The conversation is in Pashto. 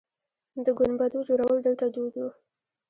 د ګنبدو جوړول دلته دود و